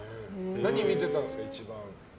何見てたんですか、一番。